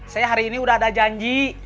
saya hari ini udah ada janji